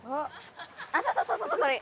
そうそうそうそうこれ！